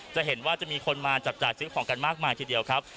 จะเห็นว่าจะมีคนมาจับจ่ายซื้อของกันมากมายทีเดียวครับ